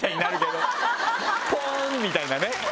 「ポン」みたいなね